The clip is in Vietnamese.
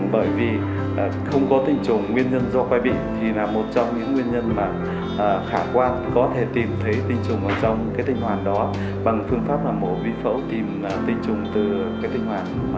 bởi vì con của mình là con của mình con của mình là con của mình